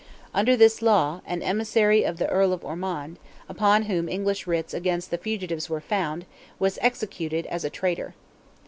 Under this law, an emissary of the Earl of Ormond, upon whom English writs against the fugitives were found, was executed as a traitor.